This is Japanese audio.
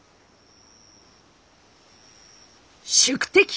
宿敵